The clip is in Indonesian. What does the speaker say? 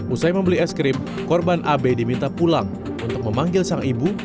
usai membeli es krim korban ab diminta pulang untuk memanggil sang ibu